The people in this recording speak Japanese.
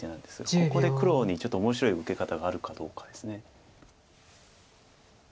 ここで黒にちょっと面白い受け方があるかどうかです。